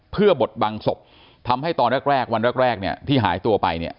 เพื่อบดบังศพทำให้ตอนแรกแรกวันแรกแรกเนี่ยที่หายตัวไปเนี่ย